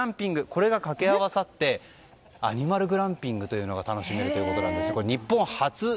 これが掛け合わさってアニマルグランピングというのが楽しめるということなんです。